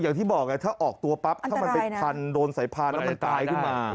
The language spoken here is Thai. อย่างที่บอกถ้าออกตัวปั๊บถ้ามันเป็นพันธุ์โดนสายพานมันตายได้